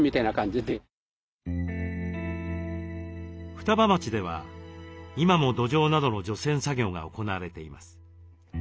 双葉町では今も土壌などの除染作業が行われています。